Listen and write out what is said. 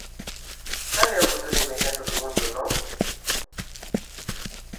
Cal é o futuro inmediato do mundo dron?